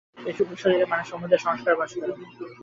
এই সূক্ষ্মশরীরেই মানুষের সমুদয় সংস্কার বাস করে।